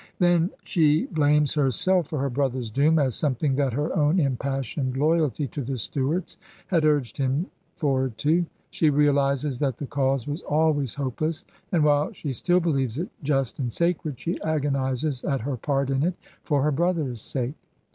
Then she blames herself for her brother's doom as something that her own impassioned loyalty to the Stuarts had urged him forward to. She realizes that the cause was always hopeless, and while she still believes it just and sacred, she agonizes at her part in it for her brother's sake.